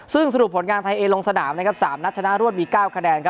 ซึ่งสรุปผลงานไทยเอลงสนาม๓นัดชนะรวดมี๙คะแนน